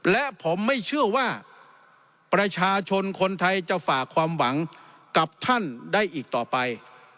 และผมไม่เชื่อว่าประชาชนคนไทยจะฝากความหวังกับท่านได้อีกต่อไป